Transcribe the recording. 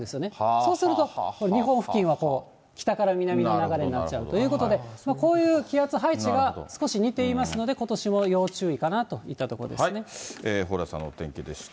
そうすると、日本付近は北から南の流れになっちゃうということで、こういう気圧配置が少し似ていますが、ことしも要注意かなといったところで蓬莱さんのお天気でした。